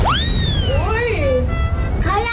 ขายัง